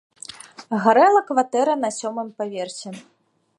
Гарэла кватэра на сёмым паверсе.